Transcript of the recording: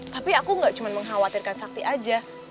tapi aku tidak hanya mengkhawatirkan sakti saja